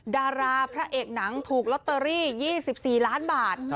ดาราพระเอกหนังถูกลอตเตอรี่๒๔ล้านบาท